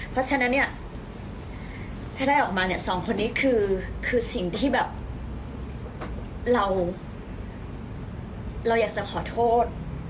เพราะฉะนั้นถ้าได้ออกมาสองคนนี้คือสิ่งที่เราอยากจะขอโทษ